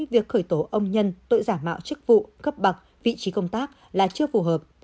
việc khởi tố ông nhân tội giả mạo chức vụ cấp bậc vị trí công tác là chưa phù hợp